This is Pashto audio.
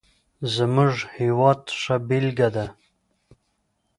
زموږ هېواد ښه بېلګه ده.